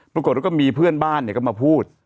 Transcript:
ปรากฏแล้วก็มีเพื่อนบ้านเนี่ยก็มาพูด